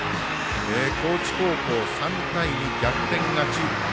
高知高校、３対２、逆転勝ち。